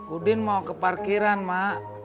udin mau ke parkiran mak